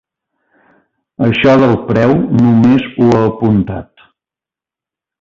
Això del preu només ho ha apuntat.